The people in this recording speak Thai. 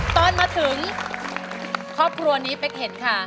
ตอนมาถึงครอบครัวนี้เป๊กเห็นค่ะ